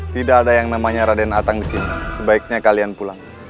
tidak ada yang namanya raden atang di sini sebaiknya kalian pulang